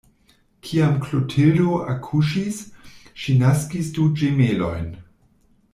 Kiam Klotildo akuŝis, ŝi naskis du ĝemelojn.